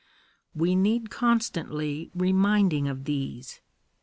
We need constantly reminding of these.